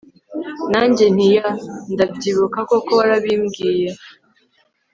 nanjye nti yeah! ndabyibuka koko warabimbwiye!